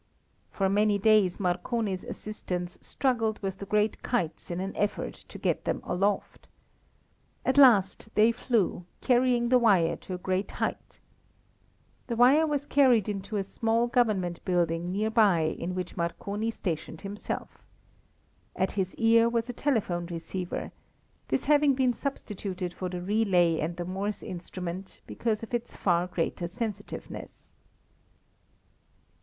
For many days Marconi's assistants struggled with the great kites in an effort to get them aloft. At last they flew, carrying the wire to a great height. The wire was carried into a small Government building near by in which Marconi stationed himself. At his ear was a telephone receiver, this having been substituted for the relay and the Morse instrument because of its far greater sensitiveness.